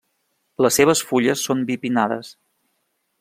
Les seves fulles són bipinnades.